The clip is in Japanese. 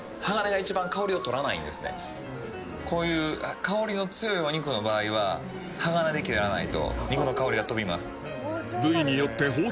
こういう香りの強いお肉の場合は鋼で切らないと肉の香りがとびます。